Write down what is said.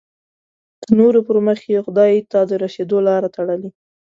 د نورو پر مخ یې خدای ته د رسېدو لاره تړلې.